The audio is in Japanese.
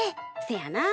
せやな。